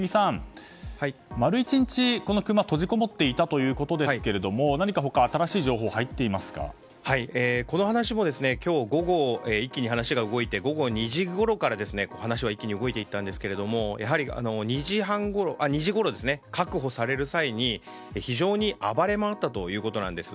丸１日、クマが閉じこもっていたということですが何か、他に新しい情報はこの話今日午後、一気に話が動いて午後２時ごろから、話は一気に動いていったんですがやはり２時ごろ確保される際に非常に暴れ回ったということなんです。